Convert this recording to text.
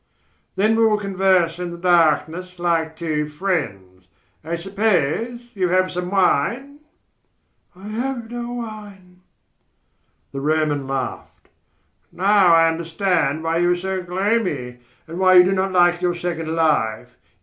"Then we will converse in the darkness like two friends. I suppose you have some wine?" "I have no wine." The Roman laughed. "Now I understand why you are so gloomy and why you do not like your second life.